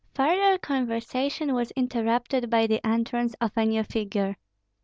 Further conversation was interrupted by the entrance of a new figure.